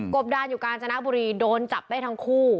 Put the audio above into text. บดานอยู่กาญจนบุรีโดนจับได้ทั้งคู่